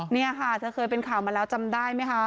นี่ค่ะเธอเคยเป็นข่าวมาแล้วจำได้ไหมคะ